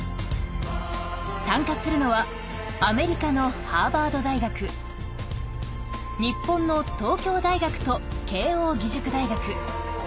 参加するのはアメリカのハーバード大学日本の東京大学と慶應義塾大学。